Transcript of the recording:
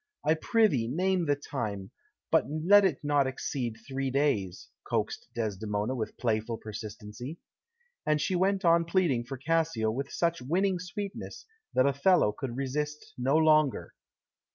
I prithee, name the time, but let it not exceed three days," coaxed Desdemona with playful persistency. And she went on pleading for Cassio with such winning sweetness that Othello could resist no longer.